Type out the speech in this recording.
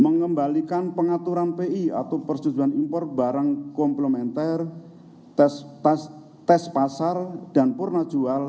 mengembalikan pengaturan pi atau persetujuan impor barang komplementer tes pasar dan purna jual